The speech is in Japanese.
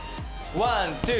ワン・ツー！